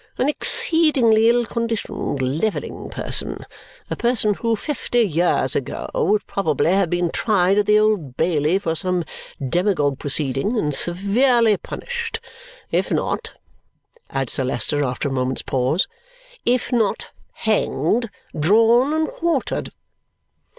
An exceedingly ill conditioned, levelling person. A person who, fifty years ago, would probably have been tried at the Old Bailey for some demagogue proceeding, and severely punished if not," adds Sir Leicester after a moment's pause, "if not hanged, drawn, and quartered."